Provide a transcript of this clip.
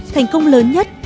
thành công lớn nhất